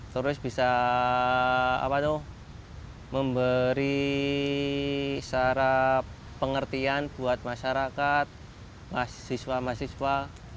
terus bisa memberi cara pengertian buat masyarakat mahasiswa mahasiswa